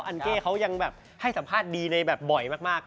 อันเก้เขายังแบบให้สัมภาษณ์ดีในแบบบ่อยมาก